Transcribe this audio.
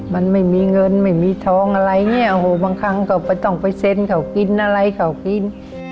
มันไม่มีเงินไม่มีทองอะไรอย่างนี้บางครั้งก็ต้องไปเซ็นเขากินอะไรเขากิน